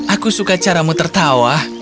aku suka caramu tertawa